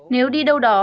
nếu đi đâu đó